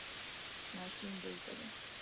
ماشین دلته دی